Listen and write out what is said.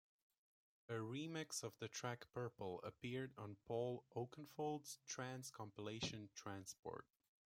A remix of the track "Purple" appeared on Paul Oakenfold's trance compilation "Tranceport".